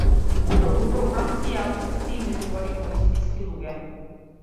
Многу програмски јазици се именувани по вистински луѓе.